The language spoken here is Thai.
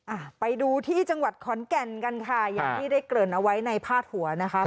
อ่ะไปดูที่จังหวัดขอนแก่นกันค่ะอย่างที่ได้เกริ่นเอาไว้ในพาดหัวนะคะ